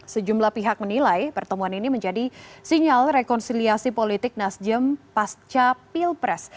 sejumlah pihak menilai pertemuan ini menjadi sinyal rekonsiliasi politik nasdem pasca pilpres